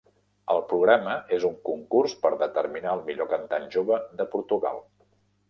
El programa és un concurs per determinar el millor cantant jove de Portugal.